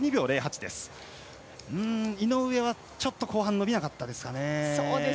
井上はちょっと後半伸びなかったですかね。